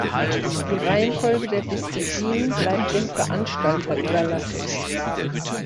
Die Reihenfolge der Disziplinen bleibt dem Veranstalter überlassen.